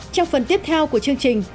trong phần tiếp theo của chương trình